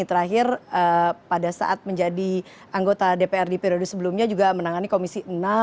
terakhir pada saat menjadi anggota dpr di periode sebelumnya juga menangani komisi enam